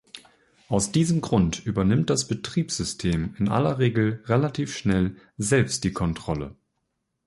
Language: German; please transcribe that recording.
Aus diesem Grund übernimmt das Betriebssystem in aller Regel relativ schnell selbst die Kontrolle.